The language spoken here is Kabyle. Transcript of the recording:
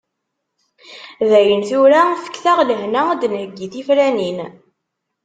Dayen tura, fket-aɣ lehna ad d-nheyyi tifranin.